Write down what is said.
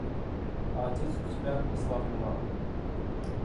А отец у тебя славный малый.